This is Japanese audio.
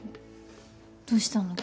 どうしたの？